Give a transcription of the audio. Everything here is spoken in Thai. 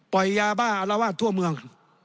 ยาบ้าอารวาสทั่วเมือง